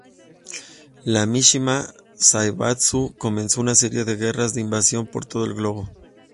La Mishima Zaibatsu comenzó una serie de guerras de invasión por todo el globo.